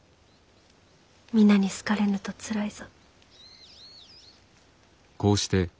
皆に好かれぬとつらいぞ。